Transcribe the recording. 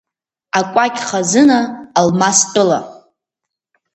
Акәакь хазына, алмас тәыла…